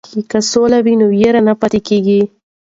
که سوله وي نو وېره نه پاتې کیږي.